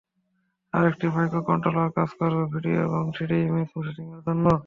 আরেকটি micro controller কাজ করবে ভিডিও এবং থ্রিডি ইমেজ প্রসেসিংয়ের জন্য।